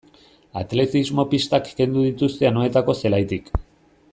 Atletismo-pistak kendu dituzte Anoetako zelaitik.